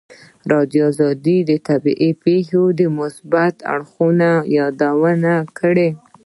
ازادي راډیو د طبیعي پېښې د مثبتو اړخونو یادونه کړې.